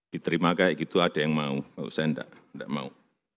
diterima kayak gitu ada yang mau saya enggak enggak mau